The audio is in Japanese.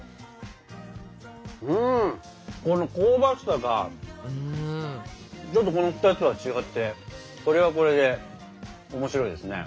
うんこの香ばしさがちょっとこの２つとは違ってこれはこれで面白いですね。